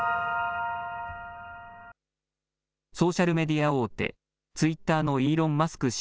ソーシャルメディア大手、ツイッターのイーロン・マスク